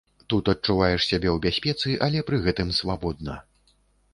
Тут адчуваеш сябе ў бяспецы, але пры гэтым свабодна.